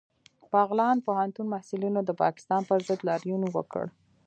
بغلان پوهنتون محصلینو د پاکستان پر ضد لاریون وکړ